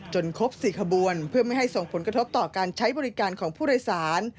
ครบ๔ขบวนเพื่อไม่ให้ส่งผลกระทบต่อการใช้บริการของผู้โดยสาร